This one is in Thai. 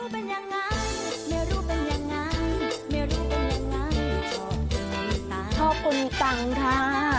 ไม่รู้เป็นอย่างงั้นไม่รู้เป็นอย่างงั้นไม่รู้เป็นอย่างงั้นชอบคุณตังค่ะ